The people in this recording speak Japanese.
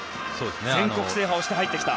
全国制覇して入ってきた。